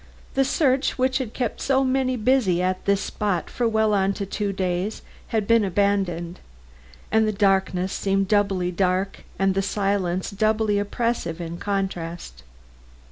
The search which had kept so many busy at this spot for well on to two days had been abandoned; and the darkness seemed doubly dark and the silence doubly oppressive in contrast.